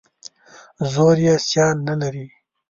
زور یې سیال نه لري.